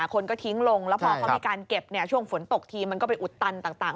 คนก็ทิ้งลงแล้วพอเขามีการเก็บช่วงฝนตกทีมันก็ไปอุดตันต่าง